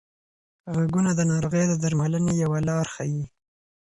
غږونه د ناروغۍ د درملنې یوه لار ښيي.